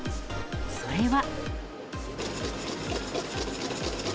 それは。